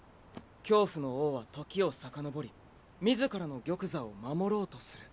「恐怖の王は時を遡り自らの玉座を守ろうとする」。